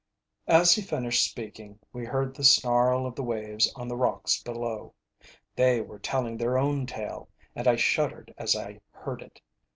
As he finished speaking we heard the snarl of the waves on the rocks below. They were telling their own tale, and I shuddered as I heard it.